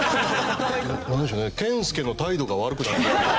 健介の態度が悪くなる事。